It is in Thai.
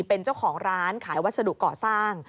เป็นเจ้าของร้านขายวัสดุก่อสร้าง